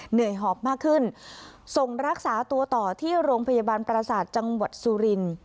หอบมากขึ้นส่งรักษาตัวต่อที่โรงพยาบาลประสาทจังหวัดสุรินทร์